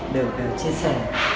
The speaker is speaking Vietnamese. được chia sẻ